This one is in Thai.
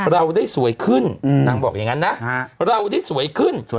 เราได้สวยขึ้นนางบอกอย่างนั้นนะเราได้สวยขึ้นสวย